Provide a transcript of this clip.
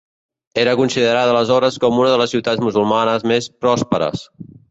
Era considerada aleshores com una de les ciutats musulmanes més pròsperes.